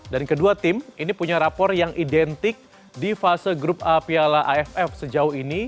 dan kedua tim ini punya rapor yang identik di fase grup a piala aff sejauh ini